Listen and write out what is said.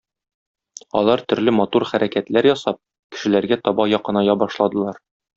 Алар төрле матур хәрәкәтләр ясап, кешеләргә таба якыная башладылар.